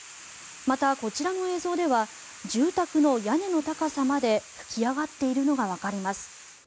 また、こちらの映像では住宅の屋根の高さまで噴き上がっているのがわかります。